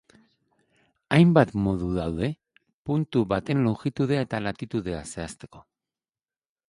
Hainbat modu daude puntu baten longitudea eta latitudea zehazteko.